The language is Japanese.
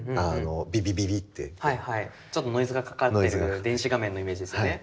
ちょっとノイズがかかってる電子画面のイメージですね。